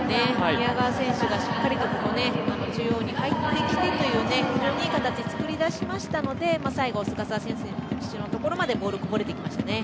宮川選手がしっかり中央に入ってきて非常にいい形、作り出したので最後、菅澤選手のところまでボールこぼれてきましたね。